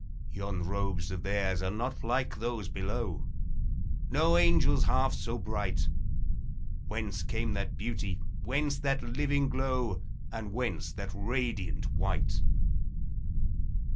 Yon robes of theirs are not like those below; No angel's half so bright; Whence came that beauty, whence that living glow, And whence that radiant white?